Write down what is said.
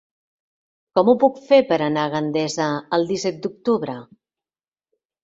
Com ho puc fer per anar a Gandesa el disset d'octubre?